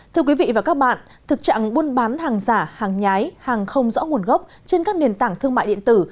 thưa quý vị và các bạn thực trạng buôn bán hàng giả hàng nhái hàng không rõ nguồn gốc trên các nền tảng thương mại điện tử